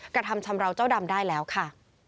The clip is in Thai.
กระทำชำราวเจ้าดำได้แล้วค่ะ